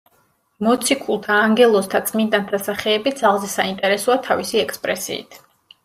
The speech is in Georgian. მოციქულთა, ანგელოზთა და წმინდანთა სახეები ძალზე საინტერესოა თავისი ექსპრესიით.